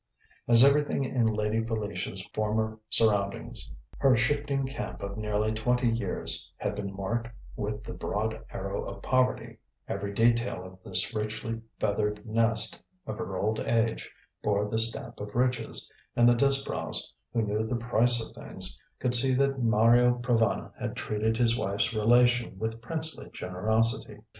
As everything in Lady Felicia's former surroundings, her shifting camp of nearly twenty years, had been marked with the broad arrow of poverty, every detail of this richly feathered nest of her old age bore the stamp of riches; and the Disbrowes, who knew the price of things, could see that Mario Provana had treated his wife's relation with princely generosity.